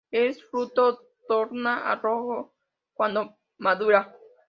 Es fruto torna a rojo cuando madura.